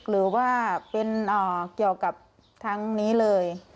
หรือว่าเป็นเกี่ยวกับทั้งนี้เลย